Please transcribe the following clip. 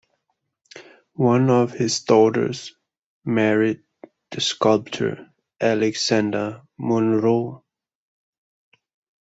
One of his daughters married the sculptor Alexander Munro.